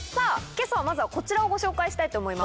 今朝まずはこちらをご紹介したいと思います。